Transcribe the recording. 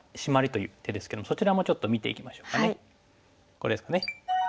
これですかね。